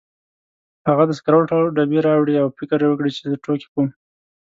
هغه د سګرټو ډبې راوړې او فکر یې وکړ چې زه ټوکې کوم.